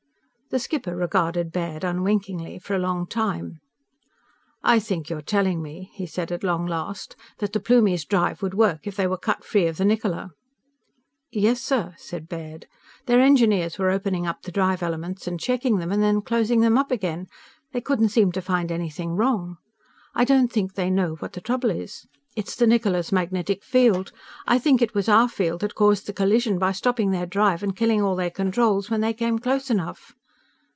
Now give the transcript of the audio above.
The skipper regarded Baird unwinkingly for a long time. "I think you are telling me," he said at long last, "that the Plumies' drive would work if they were cut free of the Niccola." "Yes, sir," said Baird. "Their engineers were opening up the drive elements and checking them, and then closing them up again. They couldn't seem to find anything wrong. I don't think they know what the trouble is. It's the Niccola's magnetic field. I think it was our field that caused the collision by stopping their drive and killing all their controls when they came close enough."